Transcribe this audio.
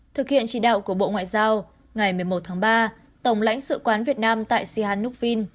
thực hiện chỉ đạo của bộ ngoại giao ngày một mươi một tháng ba tổng lãnh sự quán việt nam tại sihanokvin